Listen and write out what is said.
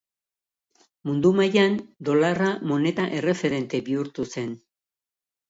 Mundu mailan, dolarra moneta erreferente bihurtu zen.